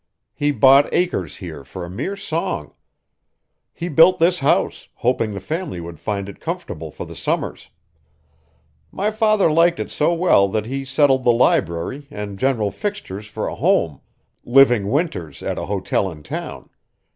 He bought acres here for a mere song. He built this house, hoping the family would find it comfortable for the summers. My father liked it so well that he settled the library and general fixtures for a home, living winters at a hotel in town.